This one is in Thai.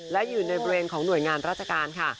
และอยู่ในบริเวณของหน่วยงานราชการค่ะ